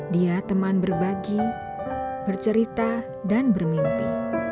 dia teman berbagi bercerita dan bermimpi